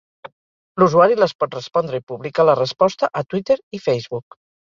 L'usuari les pot respondre i publicar la resposta a Twitter i Facebook.